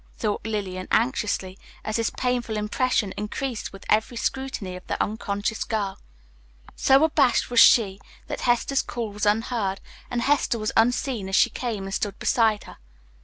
thought Lillian anxiously, as this painful impression increased with every scrutiny of the unconscious girl. So abashed was she that Hester's call was unheard, and Hester was unseen as she came and stood beside her.